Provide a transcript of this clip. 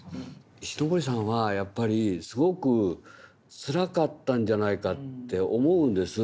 石森さんはやっぱりすごくつらかったんじゃないかって思うんです。